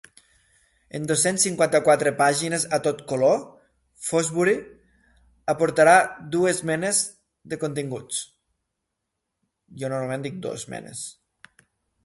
En dos-cents cinquanta-quatre pàgines a tot color, ‘Fosbury’ aportarà dues menes de continguts.